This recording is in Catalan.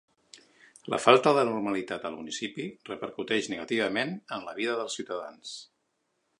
La falta de normalitat al municipi repercuteix negativament en la vida dels ciutadans.